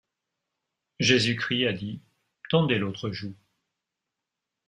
Jésus-Christ a dit: Tendez l’autre joue.